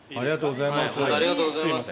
ありがとうございます。